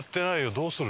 どうする？